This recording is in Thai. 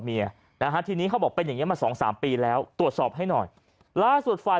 เมียนะฮะทีนี้เขาบอกเป็นอย่างนี้มาสองสามปีแล้วตรวจสอบให้หน่อยล่าสุดฝ่าย